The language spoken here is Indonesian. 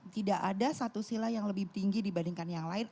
tidak ada satu sila yang lebih tinggi dibandingkan yang lain